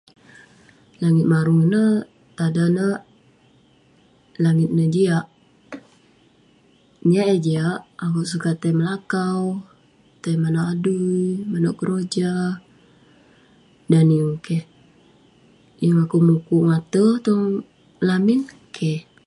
Langit marung ineh tada neh langit ineh jiak. Niah eh jiak, akouk sukat tai melakau, tai manouk adui, manouk keroja. Dan neh yeng keh, yeng akouk mukuk ngate tong lamin. Keh.